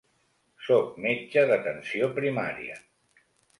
Sóc metge d'atenció primària.